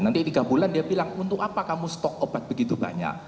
nanti tiga bulan dia bilang untuk apa kamu stok obat begitu banyak